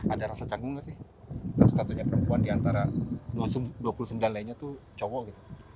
ada rasa canggung gak sih satu satunya perempuan diantara dua puluh sembilan lainnya tuh cowok gitu